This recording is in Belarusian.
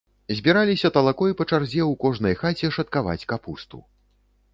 Збіраліся талакой па чарзе ў кожнай хаце шаткаваць капусту.